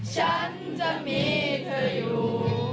ฉันจะมีเธออยู่